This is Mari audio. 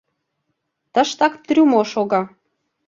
Тыштак трюмо шога.